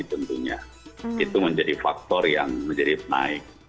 tentunya itu menjadi faktor yang menjadi naik